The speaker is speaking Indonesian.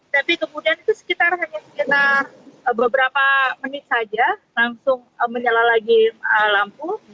tapi kemudian itu sekitar hanya sekitar beberapa menit saja langsung menyala lagi lampu